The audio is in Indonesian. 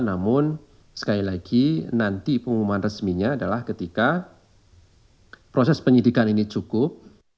namun sekali lagi nanti pengumuman resminya adalah ketika proses penyidikan ini cukup